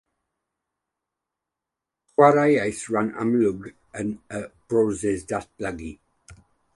Chwaraeais ran amlwg yn y broses ddatblygu.